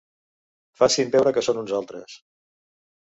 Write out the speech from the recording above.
Facin veure que són uns altres.